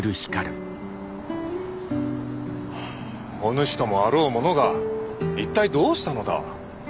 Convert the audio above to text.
おぬしともあろう者が一体どうしたのだ？